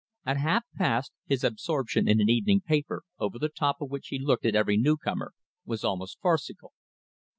At half past, his absorption in an evening paper, over the top of which he looked at every newcomer, was almost farcical.